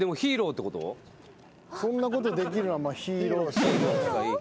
そんなことできるのはまあヒーロー。